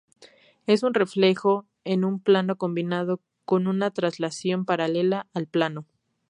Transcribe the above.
Es un reflejo en un plano combinado con una traslación paralela al plano.